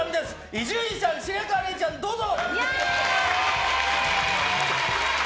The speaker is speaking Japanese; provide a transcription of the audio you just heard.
伊集院さん、白河れいちゃんどうぞ！